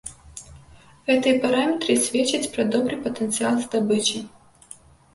Гэтыя параметры сведчаць пра добры патэнцыял здабычы.